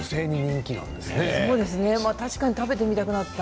確かに食べてみたくなった。